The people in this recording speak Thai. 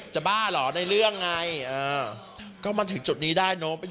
จะบ้าเหรอในเรื่องนั้น